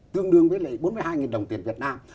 tương đương với bốn mươi hai đồng tiền việt nam